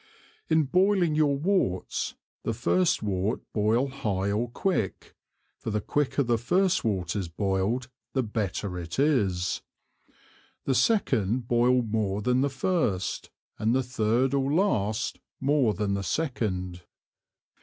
In boiling your Worts, the first Wort boil high or quick; for the quicker the first Wort is boiled, the better it is. The second boil more than the first, and the third or last more than the second.